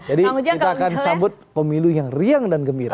kita akan sambut pemilu yang riang dan gembira